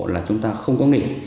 là chúng ta không có nghỉ